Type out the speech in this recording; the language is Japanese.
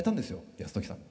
泰時さんに。